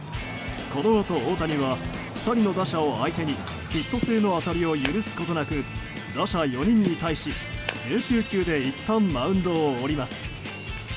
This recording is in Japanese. このあと、大谷は２人の打者を相手にヒット性の当たりを許すことなく打者４人に対し１９球でいったんマウンドを降ります。